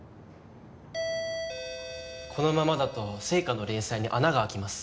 このままだと『ＳＥＩＫＡ』の連載に穴が開きます。